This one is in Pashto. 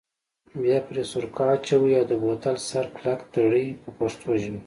بیا پرې سرکه اچوئ او د بوتل سر کلک تړئ په پښتو ژبه.